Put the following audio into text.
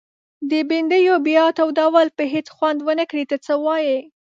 د بنډیو بیا تودول به هيڅ خوند ونکړي ته څه وايي؟